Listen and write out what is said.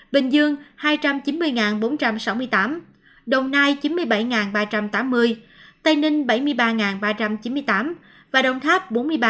bình dương hai trăm chín mươi bốn trăm sáu mươi tám đồng nai chín mươi bảy ba trăm tám mươi tây ninh bảy mươi ba ba trăm chín mươi tám và đồng tháp bốn mươi ba